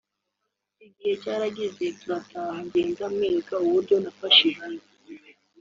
Igihe cyarageze turataha ngenda mwereka uburyo nafashijwe